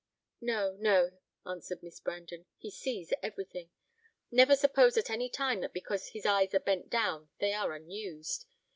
"No, no," answered Miss Brandon; "he sees everything. Never suppose at any time that because his eyes are bent down they are unused.